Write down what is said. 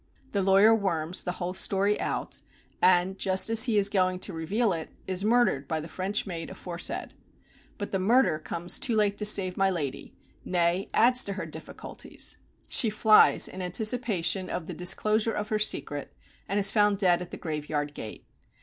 The lawyer worms the whole story out, and, just as he is going to reveal it, is murdered by the French maid aforesaid. But the murder comes too late to save my lady, nay, adds to her difficulties. She flies, in anticipation of the disclosure of her secret, and is found dead at the graveyard gate.